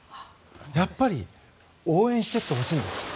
やっぱり応援していってほしいんです。